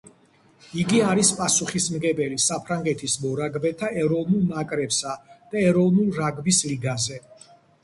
იგი არის პასუხისმგებელი საფრანგეთის მორაგბეთა ეროვნულ ნაკრებსა და ეროვნულ რაგბის ლიგაზე.